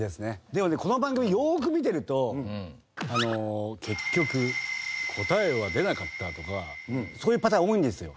でもねこの番組よーく見てると「結局答えは出なかった」とかそういうパターンが多いんですよ。